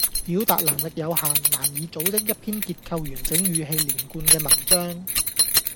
表達能力有限，難以組織一篇結構完整語氣連貫嘅文章